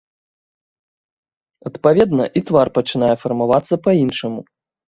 Адпаведна, і твар пачынае фармавацца па-іншаму.